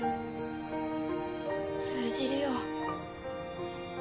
通じるよ。